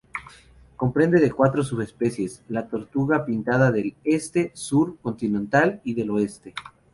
Comprende cuatro subespecies: la tortuga pintada del Este, Sur, Continental, y del Oeste.